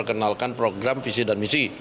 kenalkan program visi dan misi